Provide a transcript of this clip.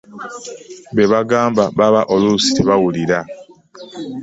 Be bagamba baba oluusi tebawulira.